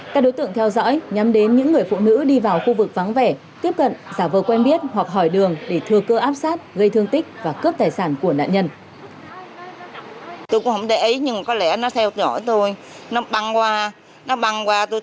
các đối tượng theo dõi nhắm đến những người phụ nữ đi vào khu vực vắng vẻ tiếp cận giả vờ quen biết hoặc hỏi đường để thừa cơ áp sát gây thương tích và cướp tài sản của nạn nhân